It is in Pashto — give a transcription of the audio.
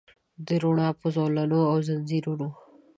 د روڼا په زولنو او ځنځیرونو